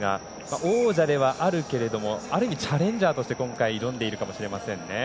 王者ではあるけれどもある意味チャレンジャーとして今回、挑んでいるかもしれませんね。